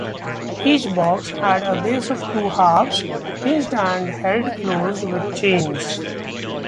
Each box had a base of two halves, hinged and held closed with chains.